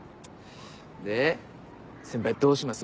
で先輩どうします？